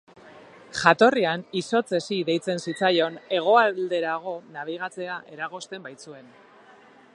Jatorrian izotz hesi deitzen zitzaion, hegoalderago nabigatzea eragozten baitzuen.